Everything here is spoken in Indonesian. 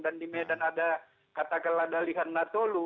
dan di medan ada katakanlah dalihan natolu